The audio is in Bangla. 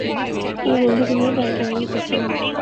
আমি বন্ধুকে নিয়ে জাম সংগ্রহ করছিলাম।